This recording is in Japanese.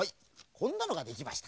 こんなのができました。